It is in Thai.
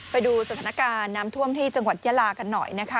ไปดูสถานการณ์น้ำท่วมที่จังหวัดยาลากันหน่อยนะคะ